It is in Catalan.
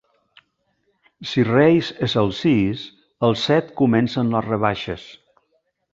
Si Reis és el sis, el set comencen les rebaixes.